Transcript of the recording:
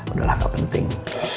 udah lah gak penting